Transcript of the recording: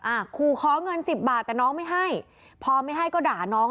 อ่ะขู่ขอเงินสิบบาทแต่น้องไม่ให้พอไม่ให้ก็ด่าน้อง